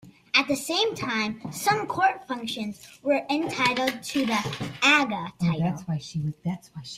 At the same time some court functionaries were entitled to the "agha" title.